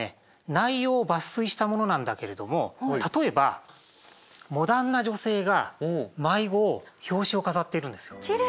内容を抜粋したものなんだけれども例えばモダンな女性が毎号表紙を飾っているんですよ。